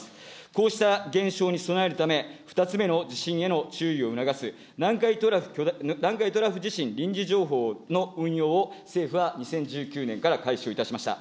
こうした現象に備えるため、２つ目の地震への注意を促す、南海トラフ地震臨時情報の運用を政府は２０１９年から開始をいたしました。